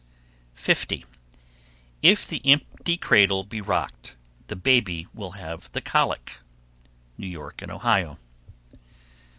_ 50. If the empty cradle be rocked, the baby will have the colic. _New York and Ohio.